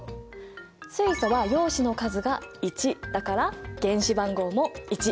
水素は陽子の数が１だから原子番号も１。